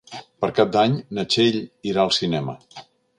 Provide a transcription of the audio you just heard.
Per Cap d'Any na Txell irà al cinema.